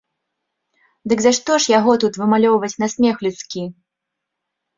Дык за што ж яго тут вымалёўваць на смех людскі?